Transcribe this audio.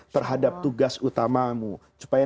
terhadap tugas utamamu supaya